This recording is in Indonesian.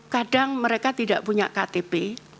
kadang mereka tidak punya ktp